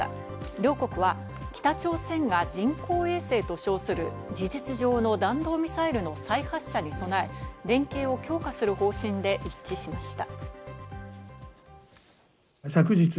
両国は北朝鮮が人工衛星と称する事実上の弾道ミサイルの再発射に備え、連携を強化する方針で一致しました。